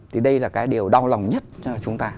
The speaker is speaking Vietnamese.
thì đây là cái điều đau lòng nhất cho chúng ta